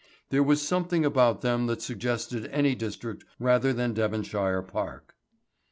There was something about them that suggested any district rather than Devonshire Park.